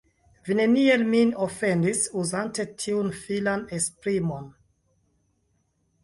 Vi neniel min ofendis, uzante tiun filan esprimon.